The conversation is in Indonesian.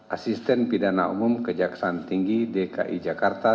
asisten pidana umum kejaksaan tinggi dki jakarta